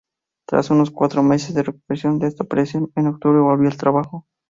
Tras unos cuatro meses de recuperación de esta operación, en octubre volvió al trabajo.